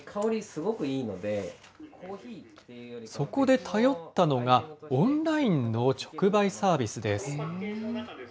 これ、そこで頼ったのが、オンラインの直売サービスです。